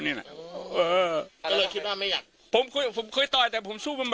นี่คือคันของผม